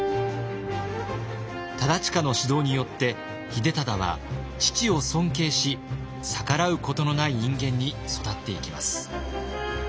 忠隣の指導によって秀忠は父を尊敬し逆らうことのない人間に育っていきます。